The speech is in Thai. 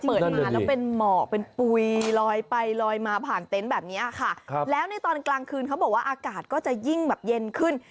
เปิดมาแล้วเป็นหมอกเป็นปุ๋ยลอยไปลอยมาผ่านเต็นต์แบบนี้ค่ะครับแล้วในตอนกลางคืนเขาบอกว่าอากาศก็จะยิ่งแบบเย็นขึ้น